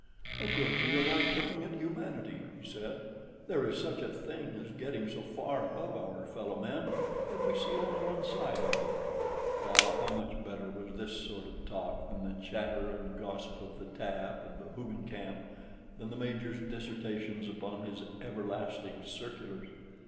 "A good deal like looking at humanity," he said; "there is such a thing as getting so far above our fellow men that we see only one side of them." Ah, how much better was this sort of talk than the chatter and gossip of the Tabb and the Hoogencamp—than the Major's dissertations upon his everlasting circulars!